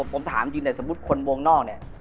ผมถามจริงแต่สมมุติคนวงนอกเนี่ย